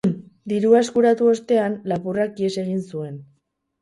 Dirua eskuratu ostean, lapurrak ihes egin zuen.